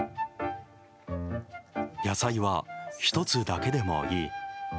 野菜は一つだけでもいい。